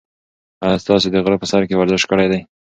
ایا تاسي د غره په سر کې ورزش کړی دی؟